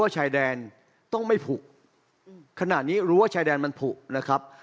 ชายแดนต้องไม่ผูกขณะนี้รู้ว่าชายแดนมันผูกนะครับ